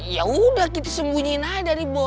ya udah kita sembunyiin aja nih boy